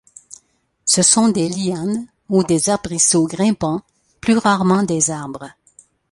Ce sont des lianes ou des arbrisseaux grimpants, plus rarement des arbres.